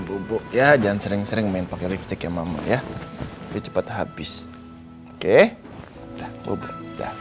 bubuk ya jangan sering sering main pakai lipstick ya mama ya cepet habis oke takut